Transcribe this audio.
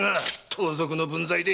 盗賊の分際で。